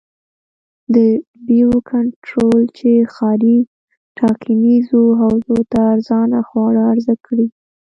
د بیو کنټرول چې ښاري ټاکنیزو حوزو ته ارزانه خواړه عرضه کړي.